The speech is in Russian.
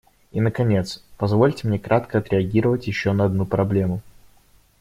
И наконец, позвольте мне кратко отреагировать еще на одну проблему.